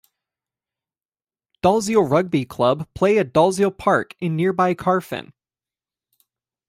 Dalziel Rugby Club play at Dalziel Park in nearby Carfin.